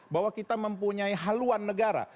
bahwa kita mempunyai haluan negara